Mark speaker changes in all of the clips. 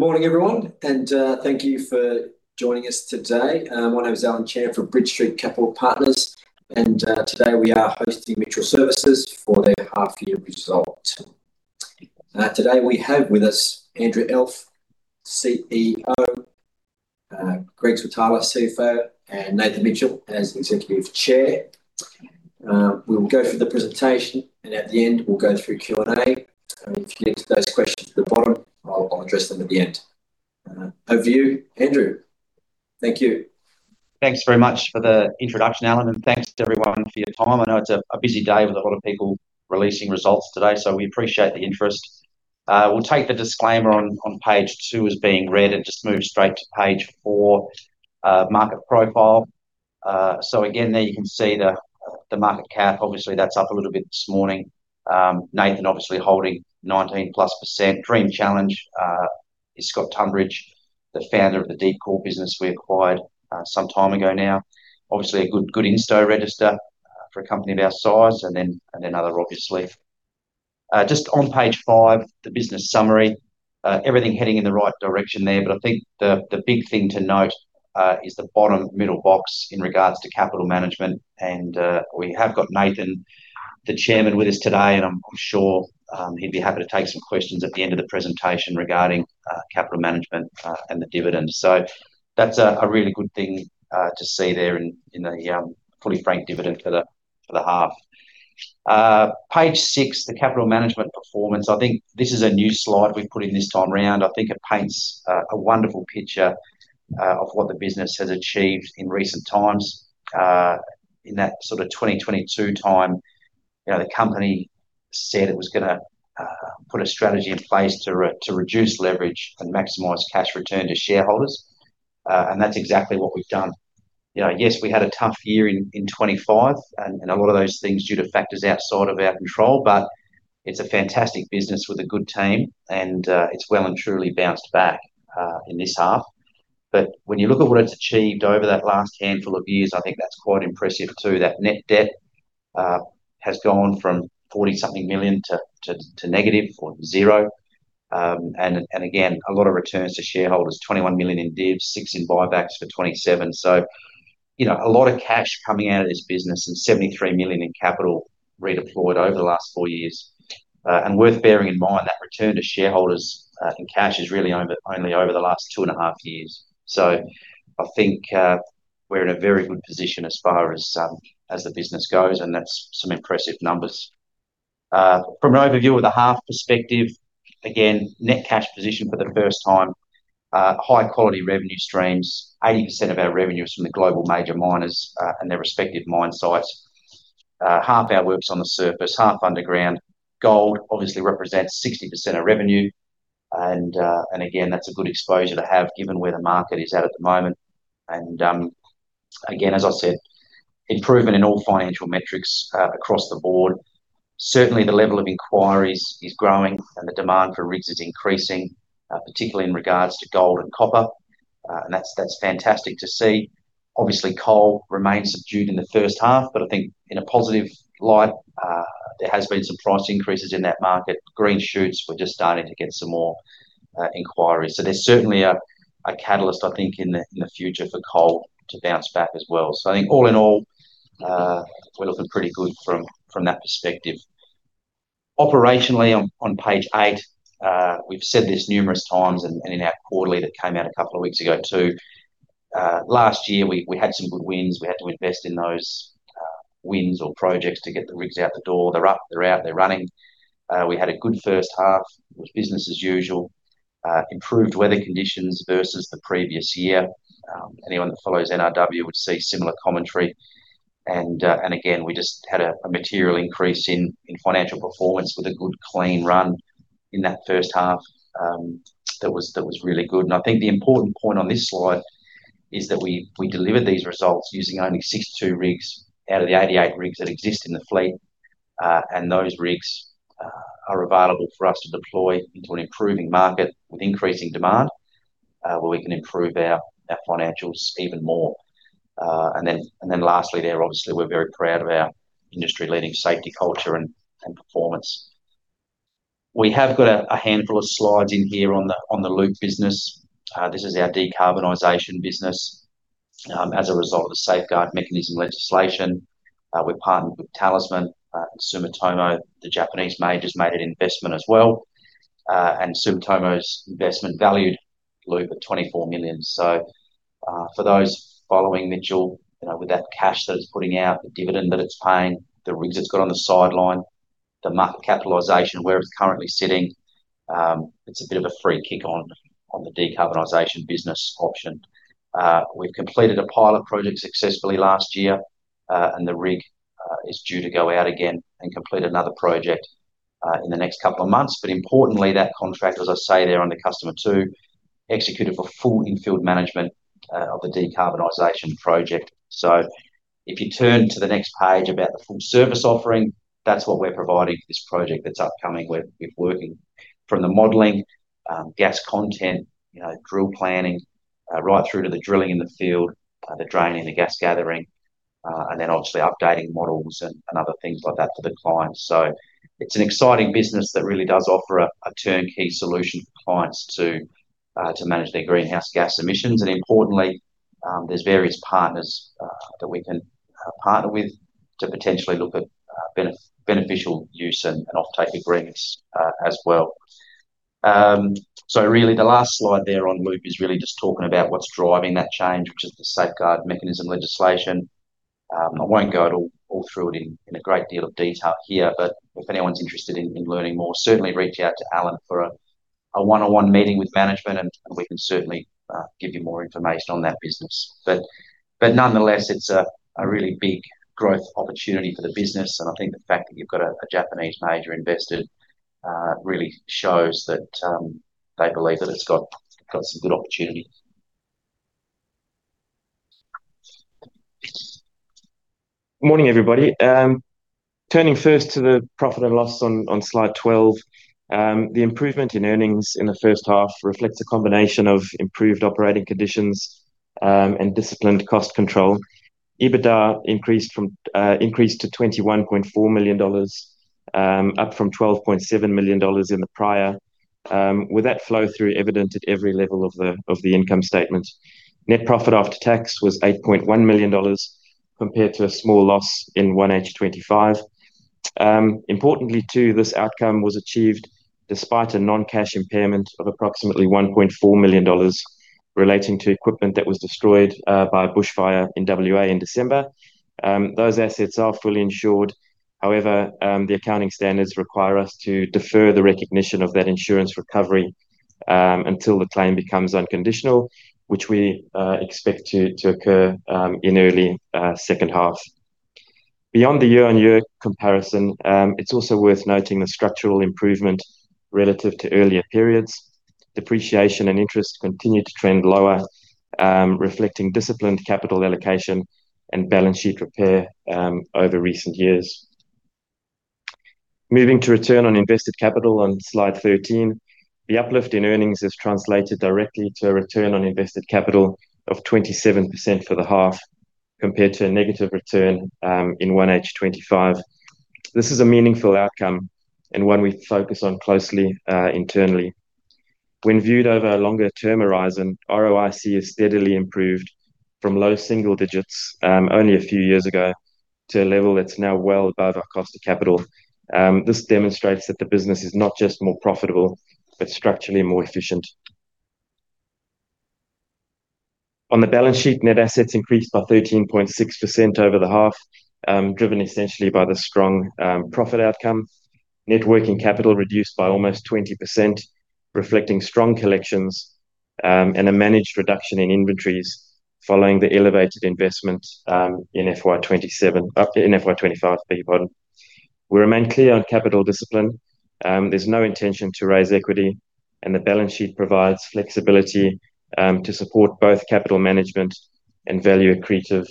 Speaker 1: Good morning, everyone, and thank you for joining us today. My name is Allen Chan from Bridge Street Capital Partners, and today we are hosting Mitchell Services for their half year result. Today we have with us Andrew Elf, CEO, Greg Switala, CFO, and Nathan Mitchell as Executive Chair. We'll go through the presentation, and at the end, we'll go through Q&A. So if you get to those questions at the bottom, I'll address them at the end. Over to you, Andrew. Thank you.
Speaker 2: Thanks very much for the introduction, Allen, and thanks to everyone for your time. I know it's a busy day with a lot of people releasing results today, so we appreciate the interest. We'll take the disclaimer on page two as being read and just move straight to page four, Market Profile. So again, there you can see the market cap. Obviously, that's up a little bit this morning. Nathan, obviously holding 19%+. Dream Challenge is Scott Tumbridge, the founder of the Deepcore business we acquired some time ago now. Obviously, a good insto register for a company of our size and then other, obviously. Just on page five, the business summary, everything heading in the right direction there. But I think the big thing to note is the bottom middle box in regards to capital management, and we have got Nathan, the chairman, with us today, and I'm sure he'd be happy to take some questions at the end of the presentation regarding capital management and the dividend. So that's a really good thing to see there in the fully franked dividend for the half. Page six, the capital management performance. I think this is a new slide we've put in this time around. I think it paints a wonderful picture of what the business has achieved in recent times. In that sort of 2022 time, you know, the company said it was gonna put a strategy in place to reduce leverage and maximize cash return to shareholders, you know, and that's exactly what we've done. You know, yes, we had a tough year in 2025 and a lot of those things due to factors outside of our control, but it's a fantastic business with a good team, and it's well and truly bounced back in this half. When you look at what it's achieved over that last handful of years, I think that's quite impressive too. That net debt has gone from 40-something million to negative or zero. Again, a lot of returns to shareholders, 21 million in divs, six in buybacks for 27 million. So, you know, a lot of cash coming out of this business, and 73 million in capital redeployed over the last four years. And worth bearing in mind, that return to shareholders, in cash is really over, only over the last two and a half years. So I think, we're in a very good position as far as, as the business goes, and that's some impressive numbers. From an overview of the half perspective, again, net cash position for the first time, high quality revenue streams, 80% of our revenue is from the global major miners, and their respective mine sites. Half our work's on the surface, half underground. Gold obviously represents 60% of revenue, and, and again, that's a good exposure to have, given where the market is at at the moment. Again, as I said, improvement in all financial metrics across the board. Certainly, the level of inquiries is growing, and the demand for rigs is increasing, particularly in regards to gold and copper, and that's fantastic to see. Obviously, coal remains subdued in the first half, but I think in a positive light, there has been some price increases in that market. Green shoots, we're just starting to get some more inquiries. So there's certainly a catalyst, I think, in the future for coal to bounce back as well. So I think all in all, we're looking pretty good from that perspective. Operationally, on page eight, we've said this numerous times and in our quarterly that came out a couple of weeks ago, too. Last year, we had some good wins. We had to invest in those, wins or projects to get the rigs out the door. They're up, they're out, they're running. We had a good first half with business as usual, improved weather conditions versus the previous year. Anyone that follows NRW would see similar commentary. And, and again, we just had a, a material increase in, in financial performance with a good clean run in that first half, that was, that was really good. And I think the important point on this slide is that we, we delivered these results using only 62 rigs out of the 88 rigs that exist in the fleet, and those rigs, are available for us to deploy into an improving market with increasing demand, where we can improve our, our financials even more. Lastly, there, obviously, we're very proud of our industry-leading safety culture and performance. We have got a handful of slides in here on the Loop business. This is our decarbonization business. As a result of the Safeguard Mechanism legislation, we partnered with Talisman, Sumitomo, the Japanese majors made an investment as well. Sumitomo's investment valued Loop at 24 million. So, for those following Mitchell, you know, with that cash that it's putting out, the dividend that it's paying, the rigs it's got on the sideline, the market capitalization, where it's currently sitting, it's a bit of a free kick on the decarbonization business option. We've completed a pilot project successfully last year, and the rig is due to go out again and complete another project in the next couple of months. But importantly, that contract, as I say there under Customer Two, executed for full in-field management of the decarbonization project. So if you turn to the next page about the full service offering, that's what we're providing for this project that's upcoming. We're working from the modeling, gas content, you know, drill planning right through to the drilling in the field, the draining, the gas gathering, and then obviously updating models and other things like that for the clients. So it's an exciting business that really does offer a turnkey solution for clients to manage their greenhouse gas emissions. And importantly, there's various partners that we can partner with to potentially look at beneficial use and offtake agreements as well. So really the last slide there on Loop is really just talking about what's driving that change, which is the Safeguard Mechanism legislation. I won't go all through it in a great deal of detail here, but if anyone's interested in learning more, certainly reach out to Allen for a one-on-one meeting with management, and we can certainly give you more information on that business. But nonetheless, it's a really big growth opportunity for the business, and I think the fact that you've got a Japanese major invested really shows that they believe that it's got some good opportunities.
Speaker 3: Morning, everybody. Turning first to the profit and loss on slide 12. The improvement in earnings in the first half reflects a combination of improved operating conditions and disciplined cost control. EBITDA increased to 21.4 million dollars, up from 12.7 million dollars in the prior. With that flow through evident at every level of the income statement. Net profit after tax was 8.1 million dollars, compared to a small loss in H1 2025. Importantly, too, this outcome was achieved despite a non-cash impairment of approximately 1.4 million dollars relating to equipment that was destroyed by a bushfire in Western Australia in December. Those assets are fully insured. However, the accounting standards require us to defer the recognition of that insurance recovery until the claim becomes unconditional, which we expect to occur in early second half. Beyond the year-on-year comparison, it's also worth noting the structural improvement relative to earlier periods. Depreciation and interest continue to trend lower, reflecting disciplined capital allocation and balance sheet repair over recent years. Moving to return on invested capital on slide 13. The uplift in earnings has translated directly to a return on invested capital of 27% for the half, compared to a negative return in H1 2025. This is a meaningful outcome and one we focus on closely internally. When viewed over a longer-term horizon, ROIC has steadily improved from low single digits only a few years ago, to a level that's now well above our cost of capital. This demonstrates that the business is not just more profitable, but structurally more efficient. On the balance sheet, net assets increased by 13.6% over the half, driven essentially by the strong profit outcome. Net working capital reduced by almost 20%, reflecting strong collections and a managed reduction in inventories following the elevated investment in FY 2025. We remain clear on capital discipline. There's no intention to raise equity, and the balance sheet provides flexibility to support both capital management and value accretive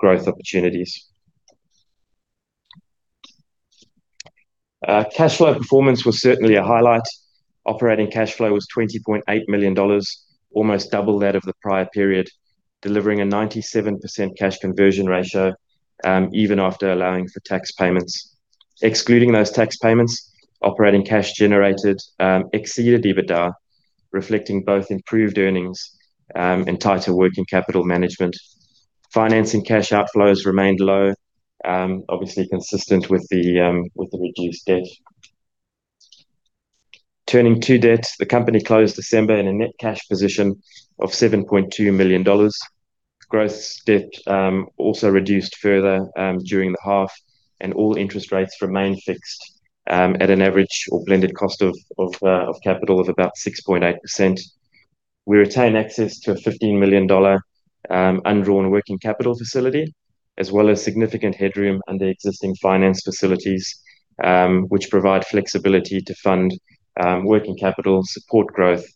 Speaker 3: growth opportunities. Cash flow performance was certainly a highlight. Operating cash flow was 20.8 million dollars, almost double that of the prior period, delivering a 97% cash conversion ratio, even after allowing for tax payments. Excluding those tax payments, operating cash generated exceeded EBITDA, reflecting both improved earnings and tighter working capital management. Financing cash outflows remained low, obviously consistent with the reduced debt. Turning to debt, the company closed December in a net cash position of 7.2 million dollars. Gross debt also reduced further during the half, and all interest rates remain fixed at an average or blended cost of capital of about 6.8%. We retain access to a 15 million dollar undrawn working capital facility, as well as significant headroom under existing finance facilities, which provide flexibility to fund working capital, support growth,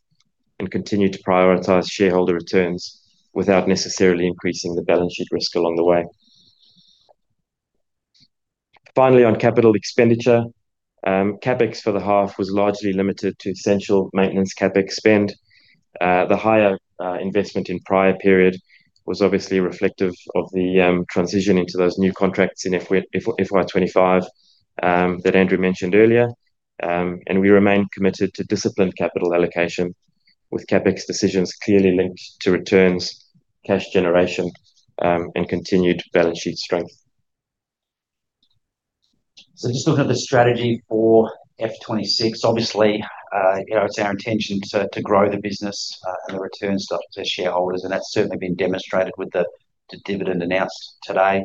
Speaker 3: and continue to prioritize shareholder returns without necessarily increasing the balance sheet risk along the way. Finally, on capital expenditure, CapEx for the half was largely limited to essential maintenance CapEx spend. The higher investment in prior period was obviously reflective of the transition into those new contracts in FY 2025 that Andrew mentioned earlier. And we remain committed to disciplined capital allocation, with CapEx decisions clearly linked to returns, cash generation, and continued balance sheet strength.
Speaker 2: So just looking at the strategy for FY 2026, obviously, you know, it's our intention to, to grow the business, and the returns to, to shareholders, and that's certainly been demonstrated with the, the dividend announced today.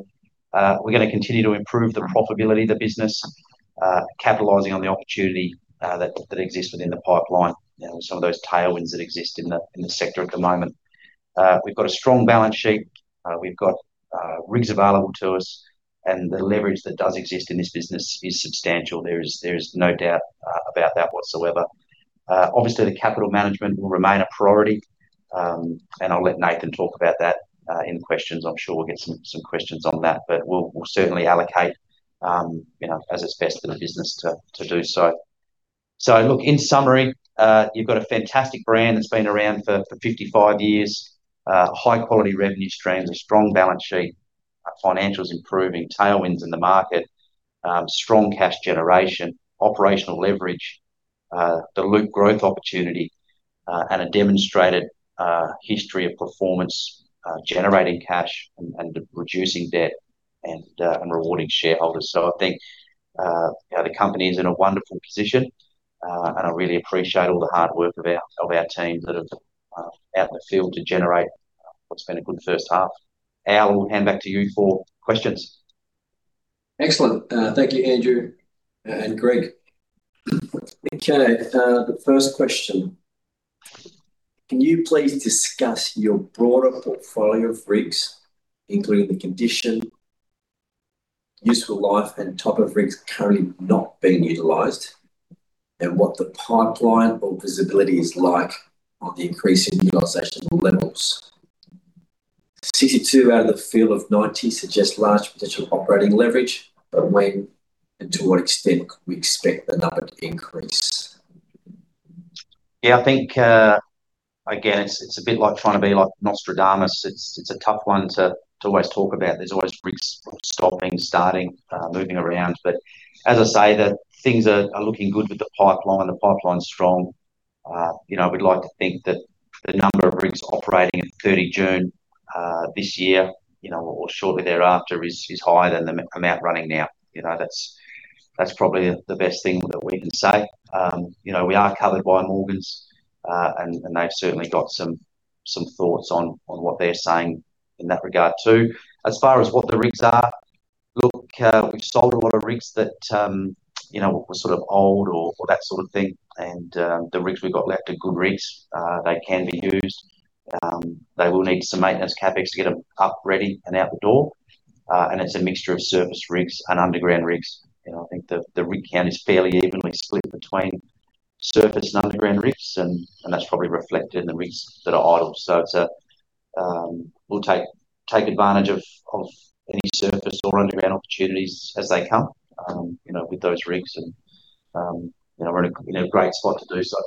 Speaker 2: We're gonna continue to improve the profitability of the business, capitalizing on the opportunity, that, that exists within the pipeline and some of those tailwinds that exist in the, in the sector at the moment. We've got a strong balance sheet. We've got, rigs available to us, and the leverage that does exist in this business is substantial. There is, there is no doubt, about that whatsoever. Obviously, the capital management will remain a priority, and I'll let Nathan talk about that, in questions. I'm sure we'll get some questions on that, but we'll certainly allocate, you know, as it's best for the business to do so. So look, in summary, you've got a fantastic brand that's been around for 55 years. High-quality revenue strands, a strong balance sheet, financials improving, tailwinds in the market, strong cash generation, operational leverage, the Loop growth opportunity, and a demonstrated history of performance, generating cash and reducing debt and rewarding shareholders. So I think, you know, the company is in a wonderful position, and I really appreciate all the hard work of our teams that are out in the field to generate what's been a good first half. Al, I'll hand back to you for questions.
Speaker 1: Excellent. Thank you, Andrew and Greg. Okay, the first question: Can you please discuss your broader portfolio of rigs, including the condition, useful life, and type of rigs currently not being utilized, and what the pipeline or visibility is like on the increasing utilization levels? 62 out of the field of 90 suggest large potential operating leverage, but when and to what extent could we expect another increase?
Speaker 2: Yeah, I think, again, it's a bit like trying to be like Nostradamus. It's a tough one to always talk about. There's always risks of stopping, starting, moving around. But as I say, that things are looking good with the pipeline. The pipeline's strong. You know, we'd like to think that the number of rigs operating at 30 June this year, you know, or shortly thereafter, is higher than the amount running now. You know, that's probably the best thing that we can say. You know, we are covered by Morgans, and they've certainly got some thoughts on what they're saying in that regard, too. As far as what the rigs are, look, we've sold a lot of rigs that, you know, were sort of old or that sort of thing, and the rigs we've got left are good rigs. They can be used. They will need some maintenance CapEx to get them up, ready, and out the door, and it's a mixture of surface rigs and underground rigs. You know, I think the rig count is fairly evenly split between surface and underground rigs, and that's probably reflected in the rigs that are idle. So it's a. We'll take advantage of any surface or underground opportunities as they come, you know, with those rigs, and, you know, we're in a great spot to do so.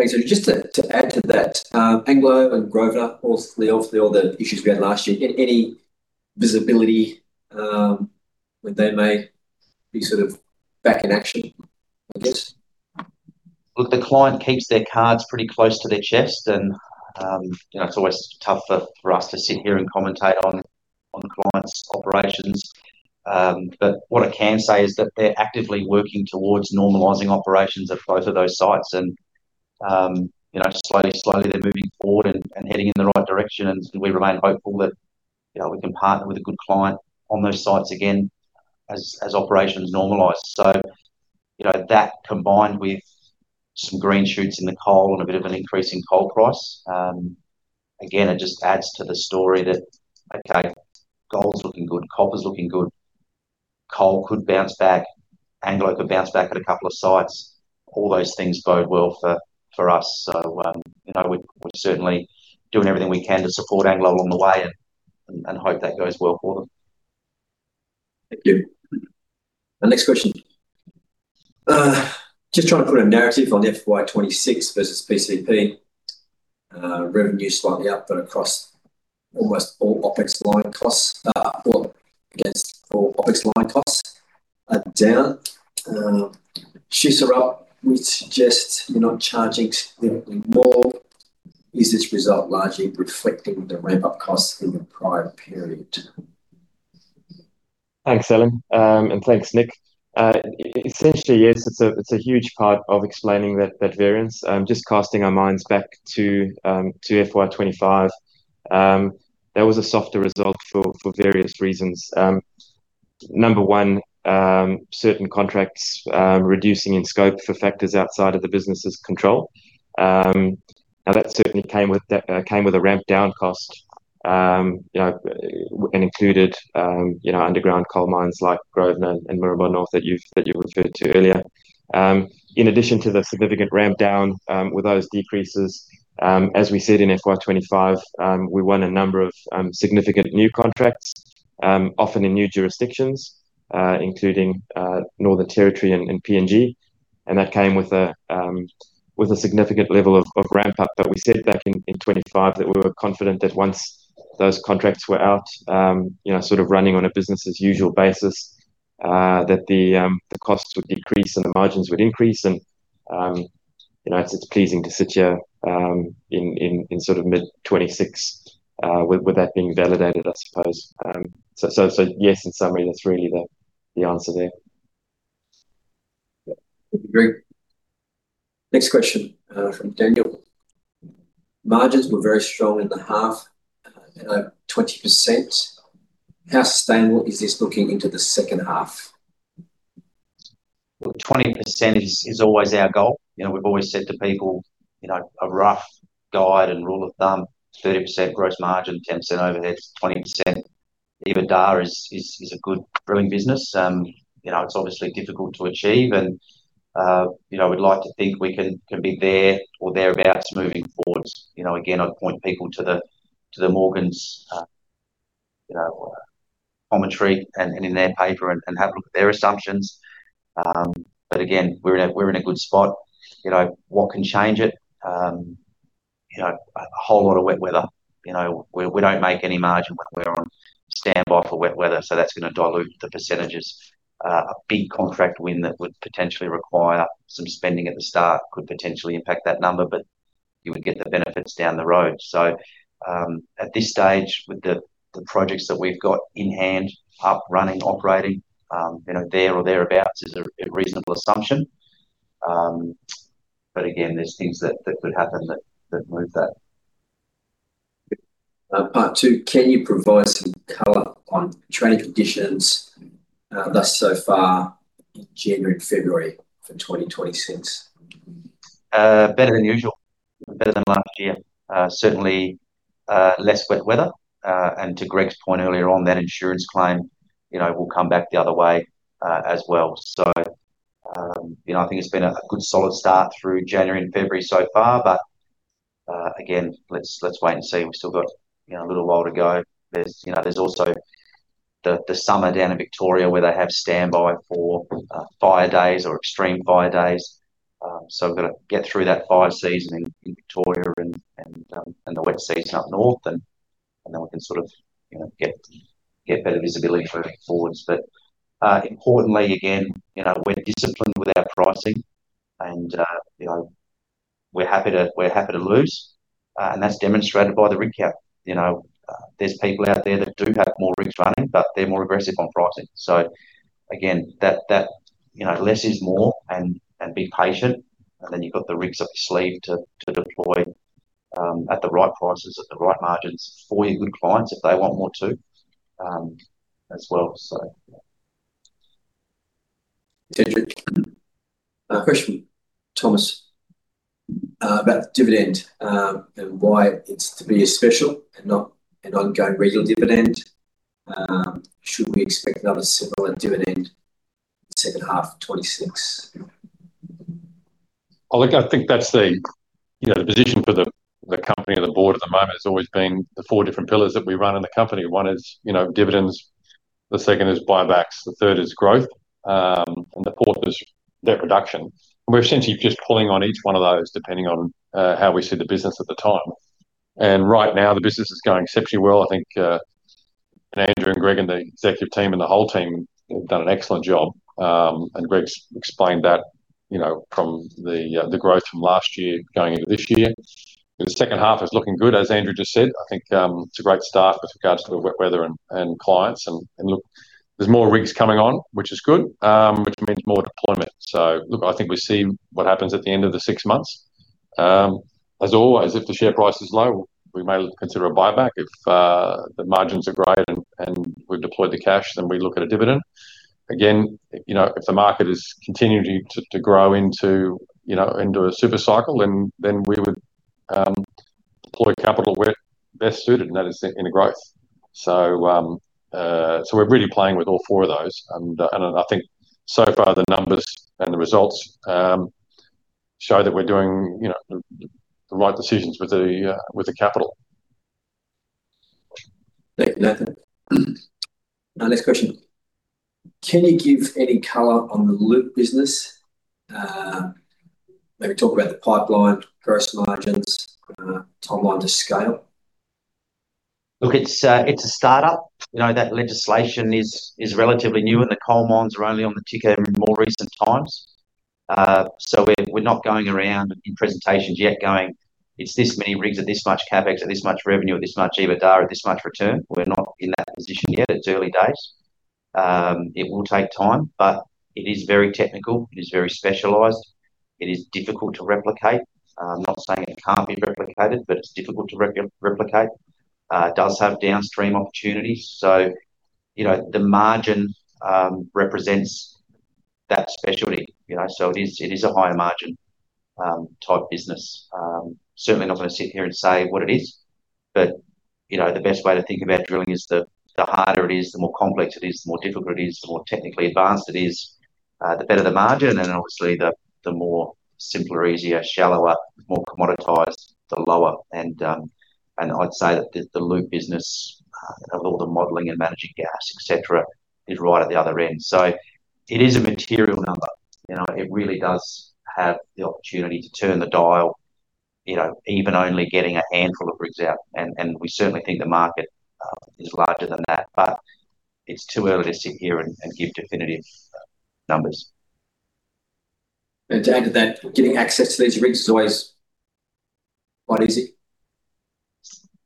Speaker 1: Thanks. So just to add to that, Anglo and Grosvenor, obviously, all the issues we had last year, any visibility, when they may be sort of back in action, I guess?
Speaker 2: Look, the client keeps their cards pretty close to their chest and, you know, it's always tough for us to sit here and commentate on the client's operations. But what I can say is that they're actively working towards normalizing operations at both of those sites and, you know, slowly, slowly, they're moving forward and heading in the right direction. And we remain hopeful that, you know, we can partner with a good client on those sites again as operations normalize. So, you know, that combined with some green shoots in the coal and a bit of an increase in coal price, again, it just adds to the story that, okay, gold's looking good, copper's looking good, coal could bounce back, Anglo could bounce back at a couple of sites. All those things bode well for us. So, you know, we're certainly doing everything we can to support Anglo along the way and hope that goes well for them.
Speaker 1: Thank you. The next question. Just trying to put a narrative on FY 2026 versus PCP. Revenue slightly up, but across almost all OpEx line costs, or I guess all OpEx line costs are down. Shoots are up, which suggests you're not charging significantly more. Is this result largely reflecting the ramp-up costs in the prior period?
Speaker 3: Thanks, Allen. And thanks, Nick. Essentially, yes, it's a huge part of explaining that variance. Just casting our minds back to FY 2025, that was a softer result for various reasons. Number one, certain contracts reducing in scope for factors outside of the business's control. Now, that certainly came with a ramp-down cost, you know, and included underground coal mines like Grosvenor and Moranbah North that you referred to earlier. In addition to the significant ramp down with those decreases, as we said in FY 2025, we won a number of significant new contracts, often in new jurisdictions, including Northern Territory and PNG, and that came with a significant level of ramp-up. But we said back in 2025 that we were confident that once those contracts were out, you know, sort of running on a business as usual basis, that the costs would decrease and the margins would increase. And, you know, it's pleasing to sit here in sort of mid-2026 with that being validated, I suppose. So yes, in summary, that's really the answer there.
Speaker 1: Thank you, Greg. Next question, from Daniel: Margins were very strong in the half, at 20%. How sustainable is this looking into the second half?
Speaker 2: Well, 20% is always our goal. You know, we've always said to people, you know, a rough guide and rule of thumb, 30% gross margin, 10% overhead, 20% EBITDA is a good brewing business. You know, it's obviously difficult to achieve and, you know, we'd like to think we can be there or thereabouts moving forward. You know, again, I'd point people to the, to the Morgans, you know, commentary and, and in their paper and, and have a look at their assumptions. But again, we're in a, we're in a good spot. You know, what can change it? You know, a whole lot of wet weather. You know, we, we don't make any margin when we're on standby for wet weather, so that's going to dilute the percentages. A big contract win that would potentially require some spending at the start could potentially impact that number, but you would get the benefits down the road. So, at this stage, with the projects that we've got in hand, up, running, operating, you know, there or thereabouts is a reasonable assumption. But again, there's things that could happen that move that.
Speaker 1: Part two, can you provide some color on trading conditions, thus so far in January and February for 2026?
Speaker 2: Better than usual, better than last year. Certainly, less wet weather. And to Greg's point earlier on, that insurance claim, you know, will come back the other way, as well. So, you know, I think it's been a good solid start through January and February so far, but, again, let's wait and see. We've still got, you know, a little while to go. There's, you know, also the summer down in Victoria where they have standby for fire days or extreme fire days. So we've got to get through that fire season in Victoria and the wet season up north, and then we can sort of, you know, get better visibility going forwards. Importantly, again, you know, we're disciplined with our pricing and, you know, we're happy to, we're happy to lose, and that's demonstrated by the rig count. You know, there's people out there that do have more rigs running, but they're more aggressive on pricing. So again, you know, less is more, and be patient, and then you've got the rigs up your sleeve to deploy at the right prices, at the right margins for your good clients if they want more too, as well, so yeah.
Speaker 1: Question, Thomas, about the dividend, and why it's to be a special and not an ongoing regular dividend. Should we expect another similar dividend second half of 2026?
Speaker 4: Well, look, I think that's the, you know, the position for the company or the board at the moment has always been the four different pillars that we run in the company. One is, you know, dividends, the second is buybacks, the third is growth, and the fourth is debt reduction. We're essentially just pulling on each one of those depending on how we see the business at the time. And right now, the business is going exceptionally well. I think, Andrew and Greg, and the executive team, and the whole team have done an excellent job. And Greg's explained that, you know, from the growth from last year going into this year. The second half is looking good, as Andrew just said. I think, it's a great start with regards to the wet weather and clients. Look, there's more rigs coming on, which is good, which means more deployment. So look, I think we'll see what happens at the end of the six months. As always, if the share price is low, we may consider a buyback. If the margins are great and we've deployed the cash, then we look at a dividend. Again, you know, if the market is continuing to grow into, you know, into a super cycle, then we would deploy capital we're best suited, and that is in the growth. So we're really playing with all four of those, and I think so far the numbers and the results show that we're doing, you know, the right decisions with the capital.
Speaker 1: Thank you, Nathan. Our next question: Can you give any color on the Loop business? Maybe talk about the pipeline, gross margins, timeline to scale.
Speaker 2: Look, it's a startup. You know, that legislation is relatively new, and the coal mines are only on the ticket in more recent times. We're not going around in presentations yet, going, "It's this many rigs at this much CapEx or this much revenue, or this much EBITDA, or this much return." We're not in that position yet. It's early days. It will take time, but it is very technical, it is very specialized, it is difficult to replicate. I'm not saying it can't be replicated, but it's difficult to replicate. It does have downstream opportunities, so, you know, the margin represents that specialty. You know, so it is, it is a higher margin, you know, type business. Certainly not going to sit here and say what it is, but, you know, the best way to think about drilling is the harder it is, the more complex it is, the more difficult it is, the more technically advanced it is, the better the margin. And obviously, the more simpler, easier, shallower, more commoditized, the lower. And I'd say that the Loop business, of all the modeling and managing gas, et cetera, is right at the other end. So it is a material number. You know, it really does have the opportunity to turn the dial, you know, even only getting a handful of rigs out, and we certainly think the market is larger than that, but it's too early to sit here and give definitive numbers.
Speaker 1: To add to that, getting access to these rigs is always quite easy.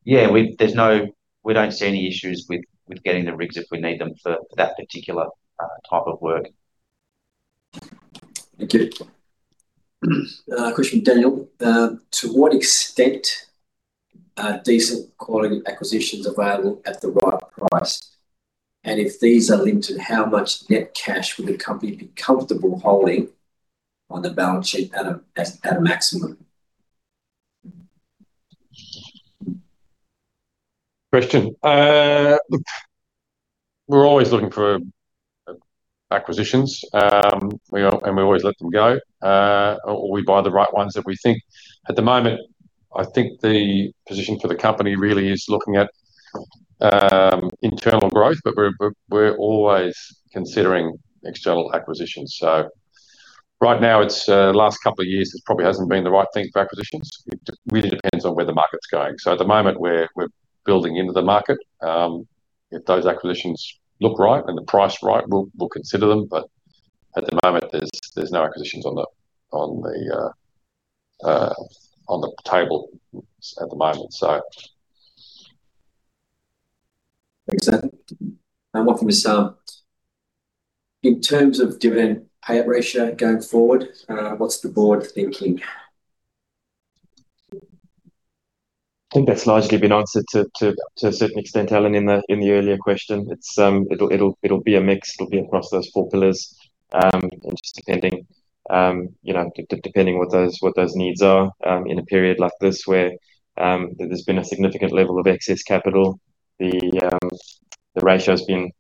Speaker 2: Yeah, we don't see any issues with getting the rigs if we need them for that particular type of work.
Speaker 1: Thank you. Question, Daniel. To what extent are decent quality acquisitions available at the right price? And if these are linked to, how much net cash would the company be comfortable holding on the balance sheet at a maximum?
Speaker 4: We're always looking for acquisitions, and we always let them go, or we buy the right ones that we think. At the moment, I think the position for the company really is looking at internal growth, but we're always considering external acquisitions. So right now, it's the last couple of years, this probably hasn't been the right thing for acquisitions. It really depends on where the market's going. So at the moment, we're building into the market. If those acquisitions look right and the price right, we'll consider them, but at the moment, there's no acquisitions on the table at the moment, so.
Speaker 1: Thanks, Nathan. One from Sam. In terms of dividend payout ratio going forward, what's the board thinking?
Speaker 2: I think that's largely been answered to a certain extent, Allen, in the earlier question. It's, it'll be a mix. It'll be across those four pillars. And just depending, you know, depending what those needs are, in a period like this, where there's been a significant level of excess capital, the ratio's been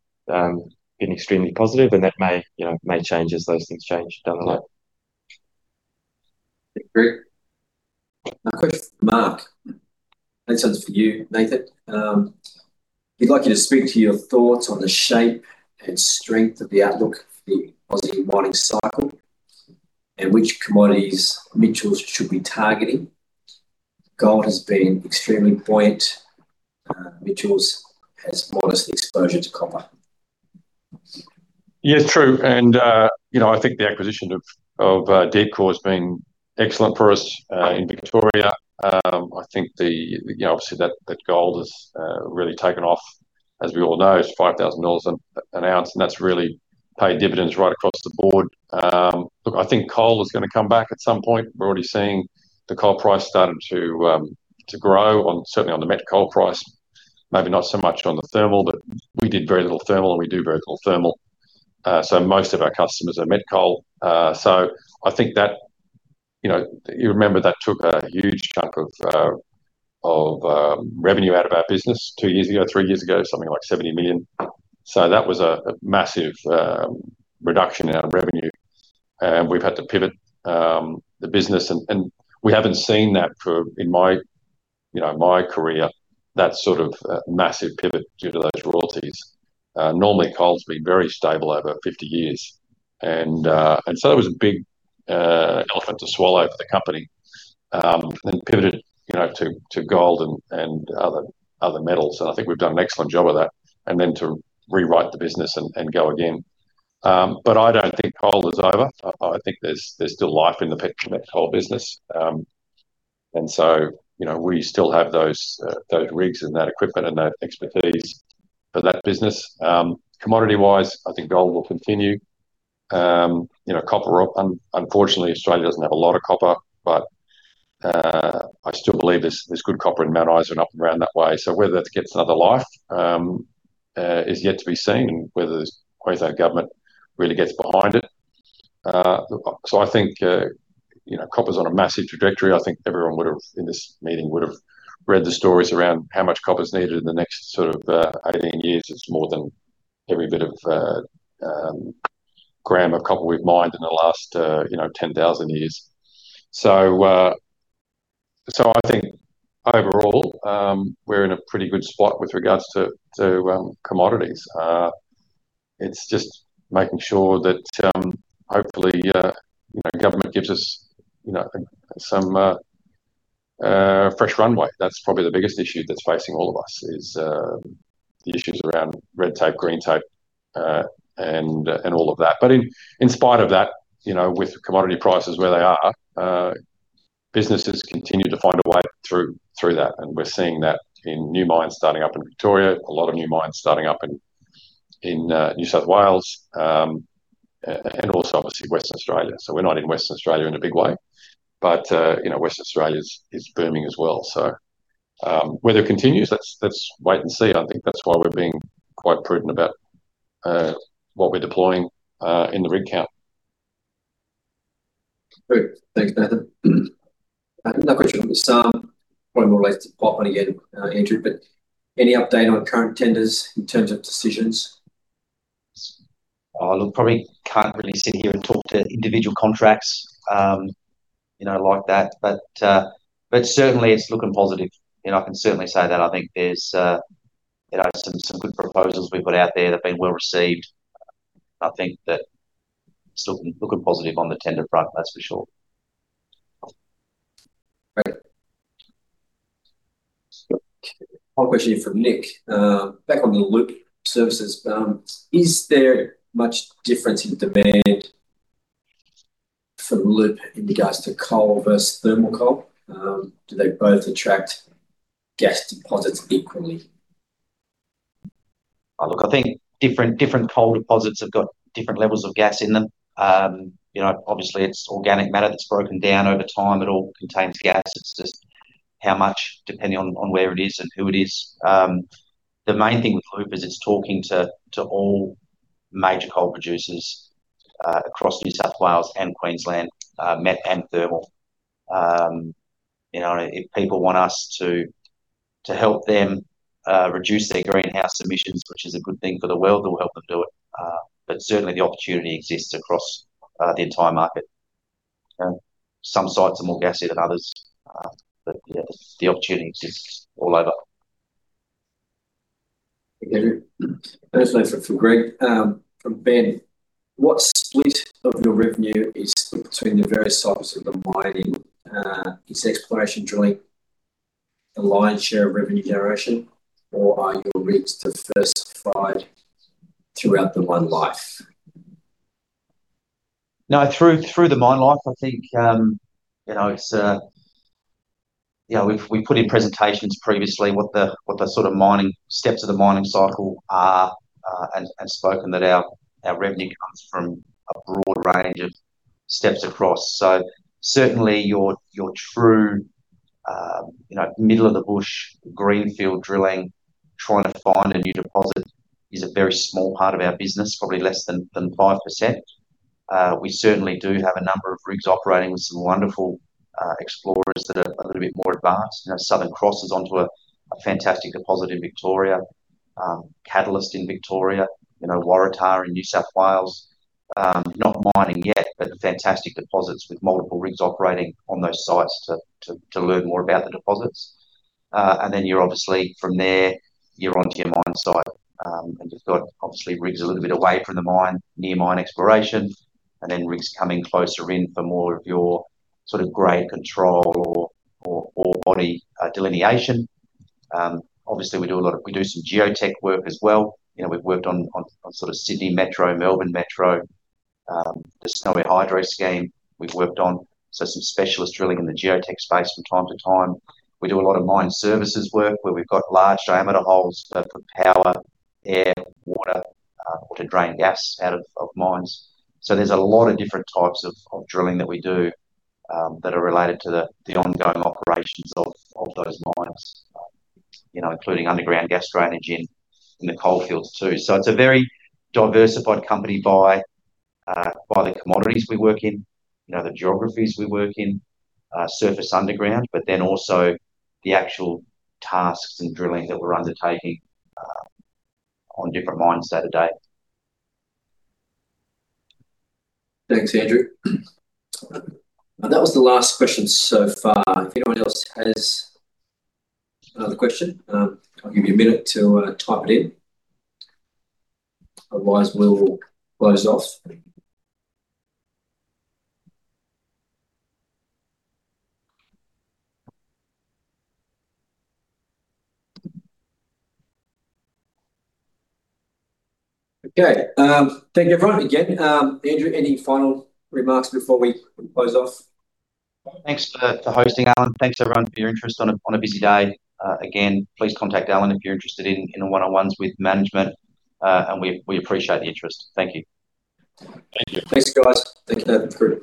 Speaker 2: extremely positive, and that may, you know, may change as those things change down the line.
Speaker 1: Thank you, Greg. A quick for Mark. This one's for you, Nathan. We'd like you to speak to your thoughts on the shape and strength of the outlook for the Aussie mining cycle and which commodities Mitchells should be targeting. Gold has been extremely buoyant. Mitchells has modest exposure to copper.
Speaker 4: Yeah, true, and, you know, I think the acquisition of Deepcore has been excellent for us in Victoria. I think the, you know, obviously, that gold has really taken off. As we all know, it's 5,000 dollars an ounce, and that's really paid dividends right across the board. Look, I think coal is gonna come back at some point. We're already seeing the coal price starting to grow, certainly on the met coal price. Maybe not so much on the thermal, but we did very little thermal, and we do very little thermal. Most of our customers are met coal. I think that, you know, you remember that took a huge chunk of revenue out of our business two years ago, three years ago, something like 70 million. So that was a massive reduction in our revenue, and we've had to pivot the business and we haven't seen that for... in my, you know, my career, that sort of massive pivot due to those royalties. Normally, coal's been very stable over 50 years, and so it was a big elephant to swallow for the company. And then pivoted, you know, to gold and other metals, and I think we've done an excellent job of that, and then to rewrite the business and go again. But I don't think coal is over. I think there's still life in the picture, met coal business. And so, you know, we still have those rigs and that equipment and that expertise for that business. Commodity-wise, I think gold will continue. You know, copper, unfortunately, Australia doesn't have a lot of copper, but I still believe there's good copper in Mount Isa and up and around that way. So whether that gets another life is yet to be seen, and whether the Queensland government really gets behind it. So I think, you know, copper's on a massive trajectory. I think everyone would've, in this meeting, would've read the stories around how much copper is needed in the next sort of 18 years. It's more than every bit of gram of copper we've mined in the last, you know, 10,000 years. So I think overall, we're in a pretty good spot with regards to commodities. It's just making sure that, hopefully, you know, government gives us, you know, some fresh runway. That's probably the biggest issue that's facing all of us, is the issues around red tape, green tape, and all of that. But in spite of that, you know, with commodity prices where they are, businesses continue to find a way through that, and we're seeing that in new mines starting up in Victoria, a lot of new mines starting up in New South Wales, and also obviously Western Australia. So we're not in Western Australia in a big way, but, you know, Western Australia is booming as well. So whether it continues, let's wait and see. I think that's why we're being quite prudent about what we're deploying in the rig count.
Speaker 1: Great. Thanks, Nathan. Another question from Sam, probably more related to pipeline again, Andrew, but any update on current tenders in terms of decisions?
Speaker 2: Oh, look, probably can't really sit here and talk to individual contracts, you know, like that. But certainly, it's looking positive, and I can certainly say that I think there's, you know, some good proposals we've got out there that have been well-received. I think that still looking positive on the tender front, that's for sure.
Speaker 1: Great. One question from Nick. Back on the Loop services, is there much difference in demand for the Loop in regards to coal versus thermal coal? Do they both attract gas deposits equally?
Speaker 2: Oh, look, I think different, different coal deposits have got different levels of gas in them. You know, obviously, it's organic matter that's broken down over time. It all contains gas. It's just how much, depending on, on where it is and who it is. The main thing with Loop is it's talking to, to all major coal producers, across New South Wales and Queensland, met and thermal. You know, if people want us to, to help them, reduce their greenhouse emissions, which is a good thing for the world, we'll help them do it. But certainly the opportunity exists across, the entire market. And some sites are more gassy than others, but yeah, the opportunity exists all over.
Speaker 1: Thank you. That's from Greg. From Ben, what split of your revenue is between the various sites of the mining? Is exploration drilling the lion's share of revenue generation, or are your rigs diversified throughout the mine life?
Speaker 2: No, through the mine life, I think, you know, it's, yeah, we've put in presentations previously what the sort of mining steps of the mining cycle are, and spoken that our revenue comes from a broad range of steps across. So certainly your true, you know, middle of the bush, greenfield drilling, trying to find a new deposit is a very small part of our business, probably less than 5%. We certainly do have a number of rigs operating with some wonderful explorers that are a little bit more advanced. You know, Southern Cross is onto a fantastic deposit in Victoria, Catalyst in Victoria, you know, Waratah in New South Wales. Not mining yet, but fantastic deposits with multiple rigs operating on those sites to learn more about the deposits. And then you're obviously from there, you're onto your mine site. And you've got obviously rigs a little bit away from the mine, near mine exploration, and then rigs coming closer in for more of your sort of grade control or body delineation. Obviously, we do a lot of. We do some geotech work as well. You know, we've worked on sort of Sydney Metro, Melbourne Metro, the Snowy Hydro scheme. We've worked on, so some specialist drilling in the geotech space from time to time. We do a lot of mine services work, where we've got large diameter holes for power, air, water, or to drain gas out of mines. So there's a lot of different types of drilling that we do, that are related to the ongoing operations of those mines, you know, including underground gas drainage in the coal fields, too. So it's a very diversified company by the commodities we work in, you know, the geographies we work in, surface underground, but then also the actual tasks and drilling that we're undertaking on different mines day to day.
Speaker 1: Thanks, Andrew. That was the last question so far. If anyone else has another question, I'll give you a minute to type it in. Otherwise, we'll close off. Okay, thank you, everyone. Again, Andrew, any final remarks before we close off?
Speaker 2: Thanks for hosting, Allen. Thanks, everyone, for your interest on a busy day. Again, please contact Allen if you're interested in a one-on-ones with management, and we appreciate the interest. Thank you.
Speaker 1: Thank you. Thanks, guys. Thank you, Andrew, great.